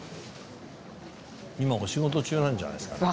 今お仕事中なんじゃないんですかね？